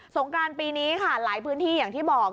งกรานปีนี้ค่ะหลายพื้นที่อย่างที่บอก